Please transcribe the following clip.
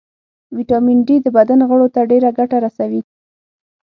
ويټامین ډي د بدن غړو ته ډېره ګټه رسوي